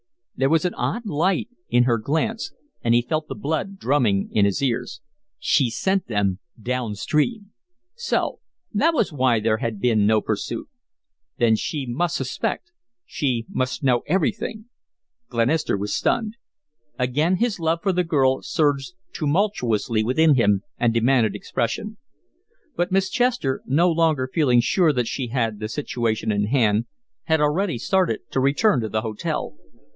There was an odd light in her glance, and he felt the blood drumming in his ears. She sent them down stream! So that was why there had been no pursuit! Then she must suspect she must know everything! Glenister was stunned. Again his love for the girl surged tumultuously within him and demanded expression. But Miss Chester, no longer feeling sure that she had the situation in hand, had already started to return to the hotel.